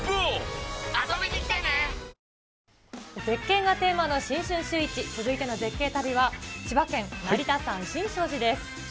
絶景がテーマの新春シューイチ、続いての絶景旅は、千葉県成田山新勝寺です。